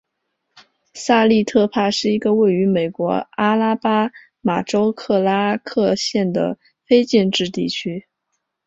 萨利特帕是一个位于美国阿拉巴马州克拉克县的非建制地区。